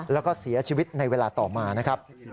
แล้วก็เสียชีวิตในเวลาต่อมานะครับ